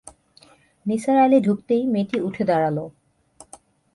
নিসার আলি ঢুকতেই মেয়েটি উঠে দাঁড়াল।